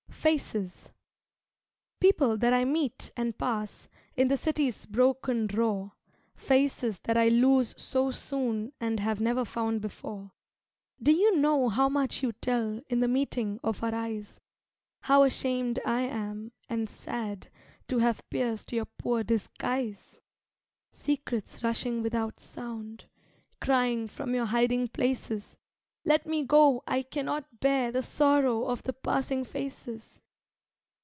Faces People that I meet and pass In the city's broken roar, Faces that I lose so soon And have never found before, Do you know how much you tell In the meeting of our eyes, How ashamed I am, and sad To have pierced your poor disguise? Secrets rushing without sound Crying from your hiding places Let me go, I cannot bear The sorrow of the passing faces.